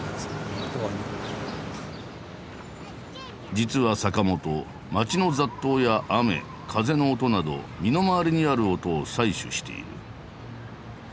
実は坂本街の雑踏や雨風の音など身の回りにある音を採取している。